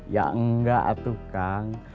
ya enggak atuh kang